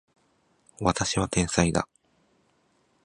私は天才だ